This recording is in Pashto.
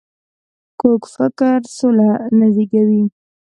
کوږ فکر سوله نه زېږوي